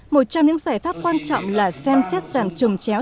một trong những giải pháp quan trọng là xem xét giảm trồng chéo